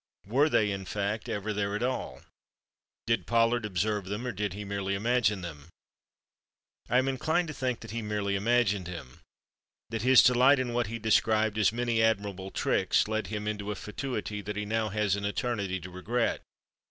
Were they, in fact, ever there at all? Did Pollard observe them, or did he merely imagine them? I am inclined to think that he merely imagined them—that his delight in what he described as "many admirable tricks" led him into a fatuity that he now has an eternity to regret.